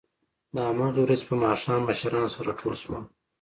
د همهغې ورځې په ماښام مشران سره ټول شول